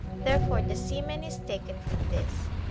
Therefore the semen is taken from this.